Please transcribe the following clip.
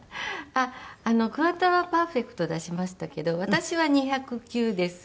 あっ桑田はパーフェクト出しましたけど私は２０９です。